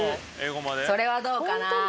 それはどうかな。